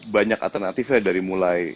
banyak alternatifnya dari mulai